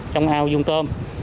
trong ao dung tôm